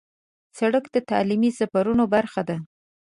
سړک د تعلیمي سفرونو برخه ده.